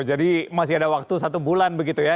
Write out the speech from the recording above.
jadi masih ada waktu satu bulan begitu ya